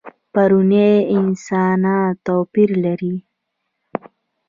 پروني انسانه توپیر لري.